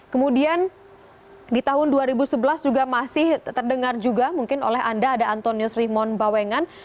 kemudian di tahun dua ribu sebelas juga masih terdengar juga mungkin oleh anda ada antonius rimon bawengan